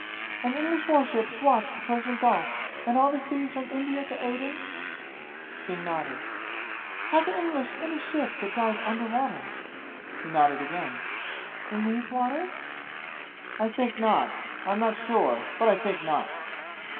"And English war ships watch the Persian Gulf and all the seas from India to Aden?" King nodded. "Have the English any ships that dive under water?" He nodded again. "In these waters?" "I think not. I'm not sure, but I think not."